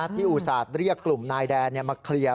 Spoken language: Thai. อุตส่าห์เรียกกลุ่มนายแดนมาเคลียร์